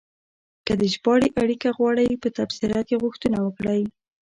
که د ژباړې اړیکه غواړئ، په تبصره کې غوښتنه وکړئ.